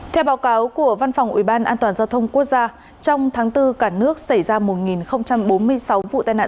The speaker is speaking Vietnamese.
theo báo cáo của văn phòng ủy ban an toàn giao thông quốc gia trong tháng bốn cả nước xảy ra một bốn mươi sáu vụ tai nạn